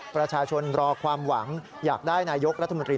ประชาชนรอความหวังอยากได้นายกรัฐมนตรี